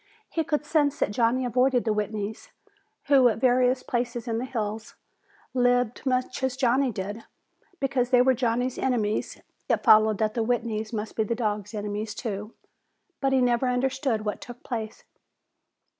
He could sense that Johnny avoided the Whitneys, who at various places in the hills lived much as Johnny did. Because they were Johnny's enemies, it followed that the Whitneys must be the dog's enemies too. But he had never understood what took place.